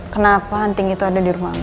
kenapa hanting itu ada di rumah mbak